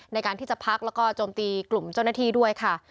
ในการที่จะพักแล้วก็โจมตีกลุ่มเจ้าหน้าที่ด้วยค่ะ